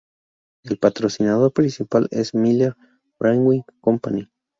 El patrocinador principal es Miller Brewing Company.